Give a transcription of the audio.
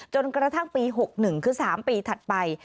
จนกระทั่งปี๖๑คือ๓ปีถัดไป